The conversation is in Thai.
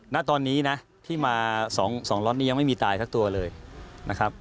ณตอนนี้นะที่มา๒ล็อตนี้ยังไม่มีตายสักตัวเลยนะครับ